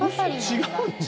違う。